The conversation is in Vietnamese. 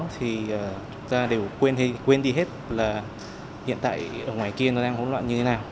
thì chúng ta đều quên đi hết là hiện tại ở ngoài kia nó đang hỗn loạn như thế nào